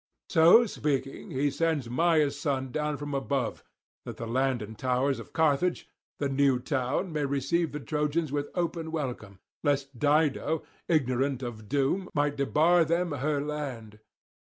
So speaking, he sends Maia's son down from above, that the land and towers of Carthage, the new town, may receive the Trojans with open welcome; lest Dido, ignorant of doom, might debar them her land.